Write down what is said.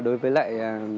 đối với lại